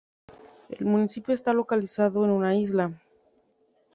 El municipio está localizado en una isla.